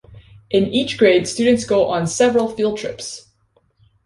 In each grade students go on several field trips.